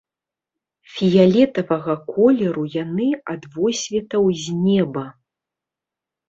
Фіялетавага колеру яны, ад водсветаў з неба.